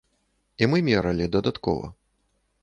І мы мералі, дадаткова.